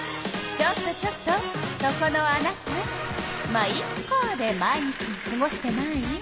ちょっとちょっとそこのあなた「ま、イッカ」で毎日をすごしてない？